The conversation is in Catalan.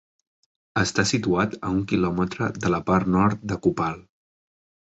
Està situat a un quilòmetre de la part nord de Koppal.